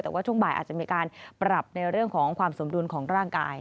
แต่ว่าช่วงบ่ายอาจจะมีการปรับในเรื่องของความสมดุลของร่างกาย